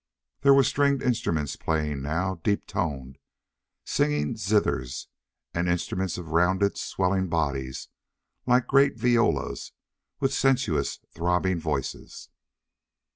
There were stringed instruments playing now; deep toned, singing zithers, and instruments of rounded, swelling bodies, like great viols with sensuous, throbbing voices.